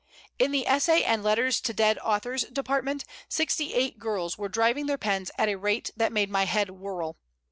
In the Essay and Letters to Dead Authors Department sixty eight girls were driving their pens at a rate that made my head whirl.